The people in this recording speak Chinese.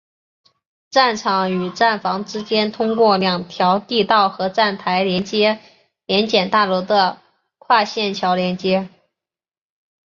站场与站房之间通过两条地道和站台联接联检大楼的跨线桥连接。